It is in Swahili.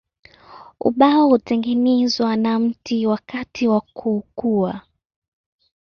Ubao hutengenezwa na mti wakati wa kukua.